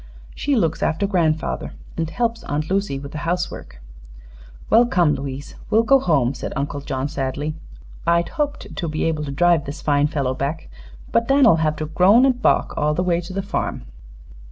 "She looks after grandfather, and helps Aunt Lucy with the housework." "Well, come, Louise; we'll go home," said Uncle John, sadly. "I'd hoped to be able to drive this fine fellow back, but Dan'll have to groan an' balk all the way to the farm."